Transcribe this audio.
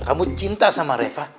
kamu cinta sama reva